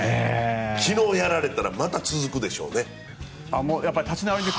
昨日やられたらまた続くでしょうね。